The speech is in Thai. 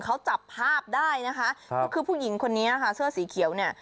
เขาจับภาพได้นะคะก็คือผู้หญิงคนนี้ค่ะเสื้อสีเขียวเนี่ย